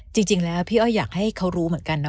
จริงแล้วพี่อ้อยอยากให้เขารู้เหมือนกันนะ